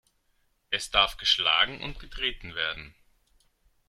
Es darf geschlagen und getreten werden.